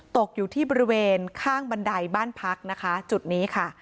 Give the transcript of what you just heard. ตกอยู่ที่บริเวณข้างบันไดบ้านพักนะคะจุดนี้ค่ะ